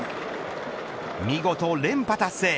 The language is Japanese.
見事連覇達成